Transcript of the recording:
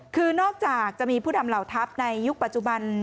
คือนอกจากจะมีผู้นำเหล่าทัพในยุคปัจจุบัน